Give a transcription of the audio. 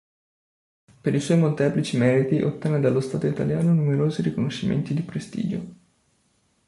Per i suoi molteplici meriti ottenne dallo Stato italiano numerosi riconoscimenti di prestigio.